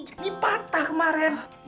ini patah kemaren